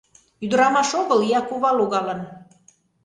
Ӱдырамаш огыл, ия кува логалын.